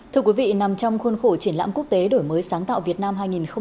thưa quý vị nằm trong khuôn khổ triển lãm quốc tế đổi mới sáng tạo việt nam hai nghìn hai mươi